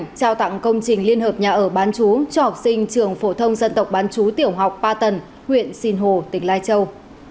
trao tặng công trình liên hợp nhà ở bán chú cho học sinh trường phổ thông dân tộc bán chú tiểu học ba tầng huyện sinh hồ tỉnh lai châu